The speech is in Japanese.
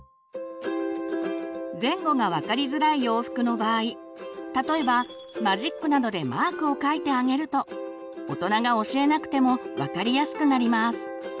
前後が分かりづらい洋服の場合例えばマジックなどでマークを書いてあげると大人が教えなくても分かりやすくなります。